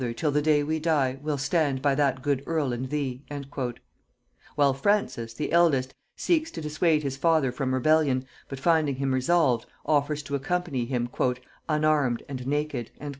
till the day we die We'll stand by that good earl and thee;" while Francis, the eldest, seeks to dissuade his father from rebellion, but finding him resolved, offers to accompany him "unarmed and naked."